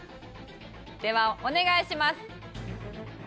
ではお願いします。